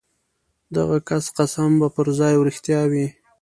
د هغه کس قسم به پرځای او رښتیا وي.